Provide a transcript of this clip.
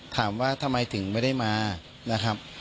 ถามว่าทำไมถึงไม่ได้มานะครับ